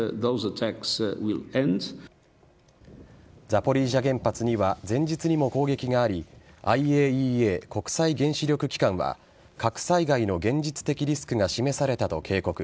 ザポリージャ原発には前日にも攻撃があり、ＩＡＥＡ・国際原子力機関は、核災害の現実的リスクが示されたと警告。